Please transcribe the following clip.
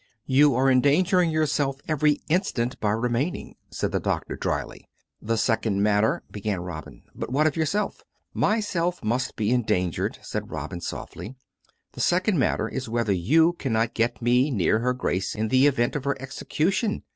" You are endangering yourself every instant by remain ing," said the doctor dryly. " The second matter " began Robin. " But what of yourself ——"" Myself must be endangered," said Robin softly. " The second matter is whether you cannot get me near her Grace in the event of her execution.